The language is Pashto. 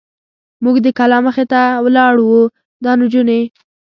موږ د کلا مخې ته ولاړ و، دا نجونې.